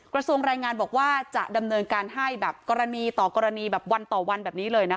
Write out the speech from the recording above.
กระทรวงรายงานบอกว่าจะดำเนินการให้แบบกรณีต่อกรณีแบบวันต่อวันแบบนี้เลยนะคะ